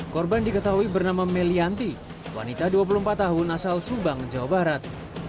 korban diketahui bernama melianti wanita dua puluh empat tahun asal subang jawa barat